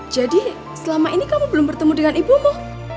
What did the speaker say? jadi selama ini kamu belum bertemu dengan ibumu